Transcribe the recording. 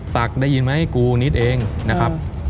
ได้ยินไหมกูนิดเองนะครับ